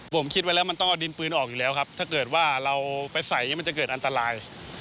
ผมคิดไว้แล้วมันต้องเอาดินปืนออกอยู่แล้วครับถ้าเกิดว่าเราไปใส่มันจะเกิดอันตราย